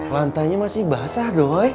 lantainya masih basah doi